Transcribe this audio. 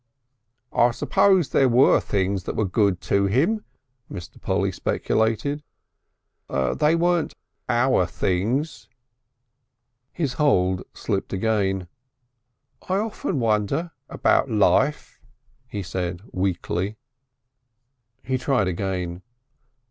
"I suppose there were things that were good to him," Mr. Polly speculated. "They weren't our things." His hold slipped again. "I often wonder about life," he said weakly. He tried again.